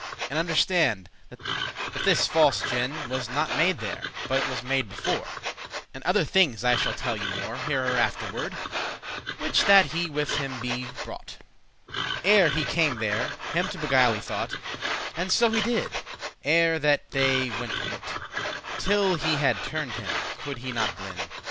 And understande, that this false gin* *contrivance Was not made there, but it was made before; And other thinges I shall tell you more, Hereafterward, which that he with him brought; Ere he came there, him to beguile he thought, And so he did, ere that they *went atwin;* *separated* Till he had turned him, could he not blin.